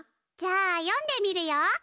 じゃあ読んでみるよ。